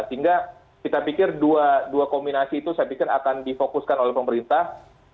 sehingga kita pikir dua kombinasi itu saya pikir akan difokuskan oleh pemerintah